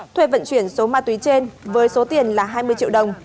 thuê vận chuyển số ma túy trên với số tiền là hai mươi triệu đồng